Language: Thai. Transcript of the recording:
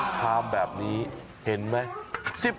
ชามแบบนี้เห็นไหม